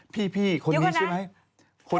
พี่คนนี้ใช่ไหมเดี๋ยวก่อนนะ